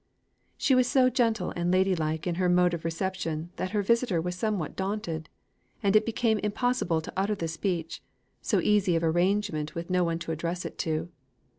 She was so gentle and ladylike in her mode of reception that her visitor was somewhat daunted; and it became impossible to utter the speech, so easy of arrangement with no one to address it to.